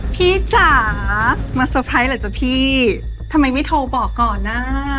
พี่จ๋ามาจ้ะพี่ทำไมไม่โทรบอกก่อนน่ะ